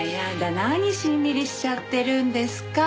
何しんみりしちゃってるんですか。